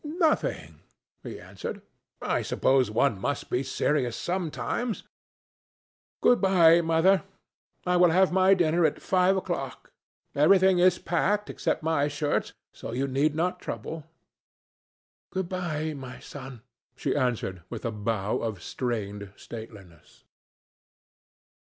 "Nothing," he answered. "I suppose one must be serious sometimes. Good bye, Mother; I will have my dinner at five o'clock. Everything is packed, except my shirts, so you need not trouble." "Good bye, my son," she answered with a bow of strained stateliness.